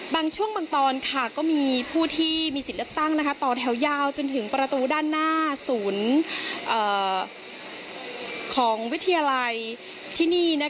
บางช่วงบางตอนก็มีผู้ที่มีสิทธิ์เลือกตั้งต่อแถวยาวจนถึงประตูด้านหน้าศูนย์ของวิทยาลัยที่นี่